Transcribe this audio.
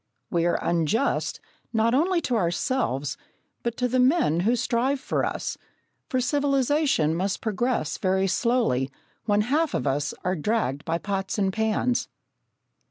We are unjust, not only to ourselves, but to the men who strive for us, for civilisation must progress very slowly when half of us are dragged by pots and pans.